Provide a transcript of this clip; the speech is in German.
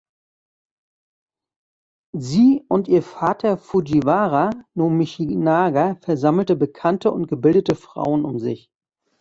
Sie und ihr Vater Fujiwara no Michinaga versammelte bekannte und gebildete Frauen um sich.